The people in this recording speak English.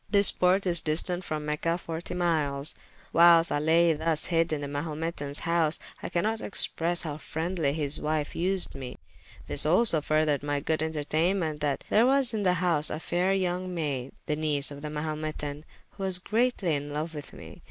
This porte is distant from Mecha 40 miles. Whilest I laye [p.356] thus hyd in the Mahumetans house, I can not expresse how friendly his wyfe vsed me. This also furthered my good enterteynement, that there was in the house a fayre young mayde, the niese of the Mahumetan, who was greatly in loue with me.